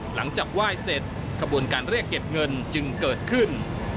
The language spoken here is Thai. หลังจากไหว้เสร็จขบวนการเรียกเก็บเงินจึงเกิดขึ้น